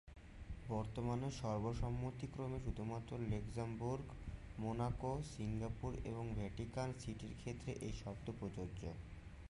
বর্তমানে সর্বসম্মতিক্রমে শুধুমাত্র লুক্সেমবুর্গ, মোনাকো, সিঙ্গাপুর এবং ভ্যাটিকান সিটির ক্ষেত্রে এই শব্দটি প্রযোজ্য।